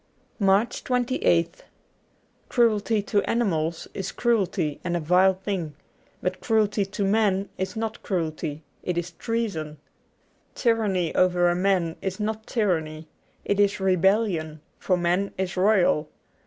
93 MARCH 28th CRUELTY to animals is cruelty and a vile thing ; but cruelty to a man is not cruelty ; it is treason. Tyranny over a man is not tyranny : it is rebellion, for man is royal.